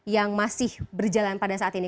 yang masih berjalan pada saat ini